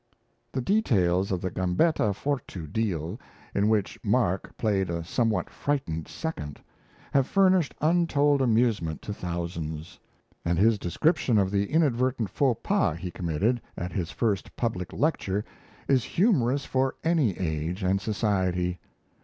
The details of the Gambetta Fourtou duel, in which Mark played a somewhat frightened second, have furnished untold amusement to thousands. And his description of the inadvertent faux pas he committed at his first public lecture is humorous for any age and society.